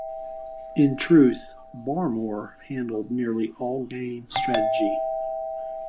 In truth, Barmore handled nearly all game strategy.